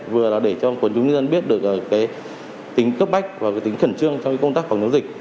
vừa là để cho quần chúng nhân dân biết được tính cấp bách và tính khẩn trương trong công tác phòng chống dịch